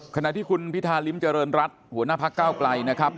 ขณะที่คุณพิธาริมเจริญรัฐหัวหน้าพักเก้าไกลนะครับ